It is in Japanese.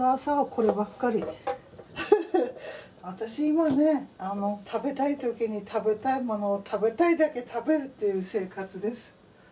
私今ね食べたい時に食べたいものを食べたいだけ食べるっていう生活です。